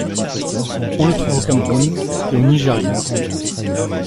On le trouve au Cameroun et au Nigéria.